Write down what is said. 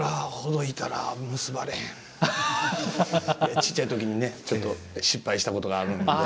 ちっちゃい時にねちょっと失敗したことがあるんで。